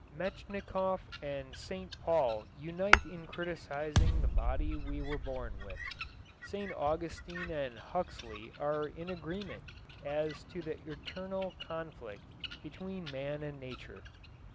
Metchnikoff and St. Paul unite in criticizing the body we were born with. St. Augustine and Huxley are in agreement as to the eternal conflict between man and nature.